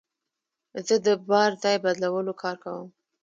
زه د بار ځای بدلولو کار کوم.